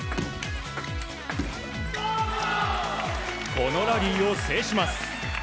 このラリーを制します。